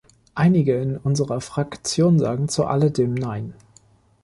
Einige in unserer Fraktion sagen zu alledem Nein.